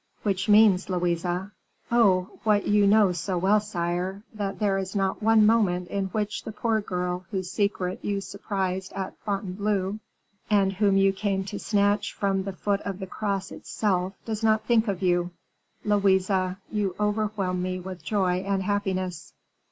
"Which means, Louise " "Oh, what you know so well, sire; that there is not one moment in which the poor girl whose secret you surprised at Fontainebleau, and whom you came to snatch from the foot of the cross itself, does not think of you." "Louise, you overwhelm me with joy and happiness."